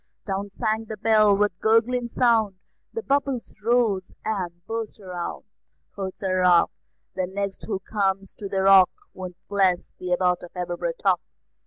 Down sank the bell, with a gurgling sound, The bubbles rose and burst around; Quoth Sir Ralph: "The next who comes to the Rock Won't bless the Abbot of Aberbrothock."